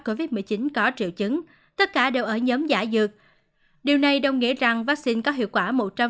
covid một mươi chín có triệu chứng tất cả đều ở nhóm giả dược điều này đồng nghĩa rằng vaccine có hiệu quả